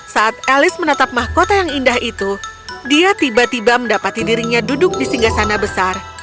saat elis menatap mahkota yang indah itu dia tiba tiba mendapati dirinya duduk di singgah sana besar